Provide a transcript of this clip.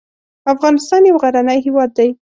افغانستان یو غرنی هیواد دی